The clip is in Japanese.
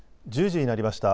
１０時になりました。